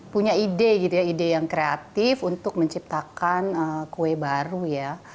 punya ide gitu ya ide yang kreatif untuk menciptakan kue baru ya